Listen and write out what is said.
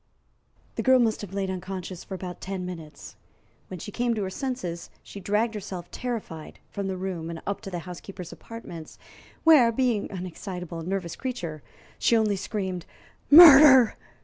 The girl must have lain unconscious for about ten minutes. When she came to her senses, she dragged herself, terrified, from the room and up to the housekeeper's apartments, where, being an excitable and nervous creature, she only screamed "Murder!"